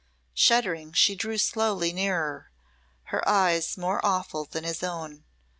Shuddering, she drew slowly nearer, her eyes more awful than his own.